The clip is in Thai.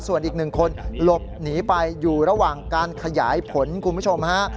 ส่วนอีกหนึ่งคนหลบหนีไปอยู่ระหว่างการขยายผลคุณผู้ชมฮะ